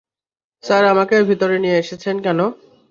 Sir আমাকে ভিতরে নিয়ে এসেছেন কেন?